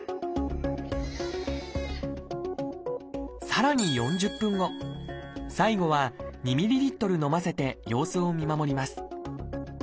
さらに４０分後最後は２ｍＬ飲ませて様子を見守ります。